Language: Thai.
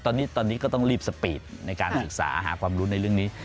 ตอนนี้ก็ต้องรีบสปีดในการศึกษาหาความรู้ในเรื่องนี้